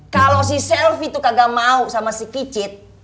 kalau si selvi itu kagak mau sama si kicit